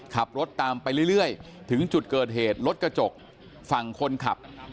ขับรถตามไปเรื่อยถึงจุดเกิดเหตุรถกระจกฝั่งคนขับ